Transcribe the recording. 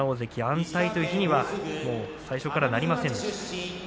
安泰という日には最初からなりません。